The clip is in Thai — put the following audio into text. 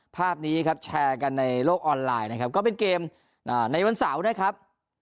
ภาพนี้ครับแชร์กันในโลกออนไลน์นะครับก็เป็นเกมในวันเสาร์นะครับ